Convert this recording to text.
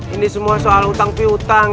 ini semua soal utang piutang